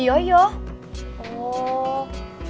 kamu kembali hidung